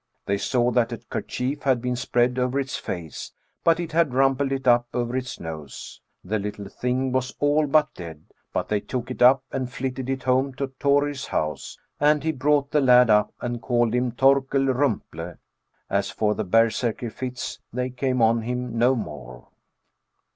They saw that a kerchief had been spread over its face, but it had rumpled it up over its nose ; the little thing was all but dead> but they took it up and flitted it home to Thorir's house, and he brought the lad %p, and called him ThorkellEumple; as for the berserkr fits, they came on him no more."